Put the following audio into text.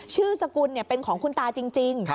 สกุลเป็นของคุณตาจริง